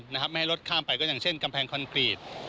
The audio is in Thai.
ไม่ให้รถข้ามไปก็อย่างเช่นกำแพงคอนกรีต